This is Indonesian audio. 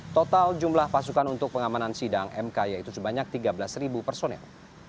total jumlah pasukan untuk pengamanan sidang mk yaitu sebanyak tiga belas personel